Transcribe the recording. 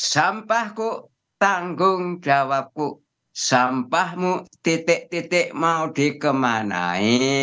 sampahku tanggung jawabku sampahmu titik titik mau dikemanai